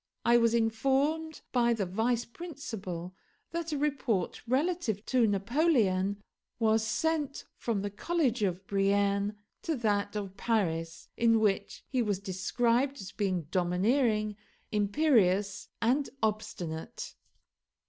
I was informed by the vice principal that a report relative to Napoleon was sent from the College of Brienne to that of Paris, in which he was described as being domineering, imperious, and obstinate.